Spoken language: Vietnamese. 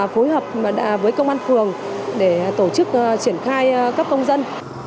phối hợp với công an phường để tổ chức triển khai cấp công dân